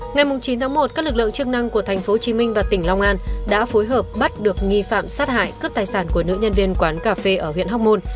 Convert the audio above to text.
ngày chín tháng một các lực lượng chức năng của tp hcm và tỉnh long an đã phối hợp bắt được nghi phạm sát hại cướp tài sản của nữ nhân viên quán cà phê ở huyện hóc môn